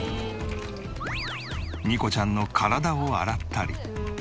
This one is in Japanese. にこちゃんの体を洗ったり。